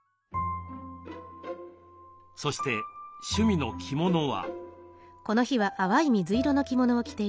そして趣味の着物は？